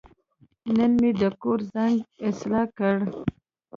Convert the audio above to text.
نن مې د کور زنګ اصلاح کړ.